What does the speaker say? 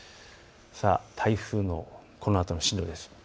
台風のこのあとの進路です。